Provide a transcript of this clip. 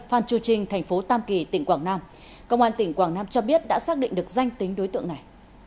phan chu trinh thành phố tam kỳ tỉnh quảng nam công an tỉnh quảng nam cho biết đã xác định được danh tính đối tượng này